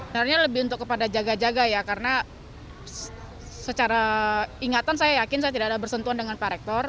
sebenarnya lebih untuk kepada jaga jaga ya karena secara ingatan saya yakin saya tidak ada bersentuhan dengan pak rektor